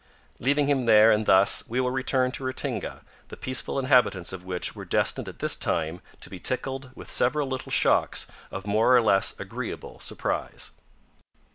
Leaving him there, and thus, we will return to Ratinga, the peaceful inhabitants of which were destined at this time to be tickled with several little shocks of more or less agreeable surprise.